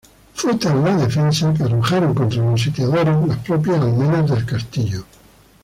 Fue tal la defensa, que arrojaron contra los sitiadores las propias almenas del castillo.